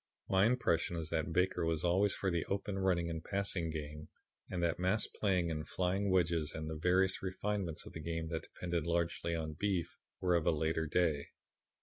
"My impression is that Baker was always for the open running and passing game and that mass playing and flying wedges and the various refinements of the game that depended largely on 'beef' were of a later day.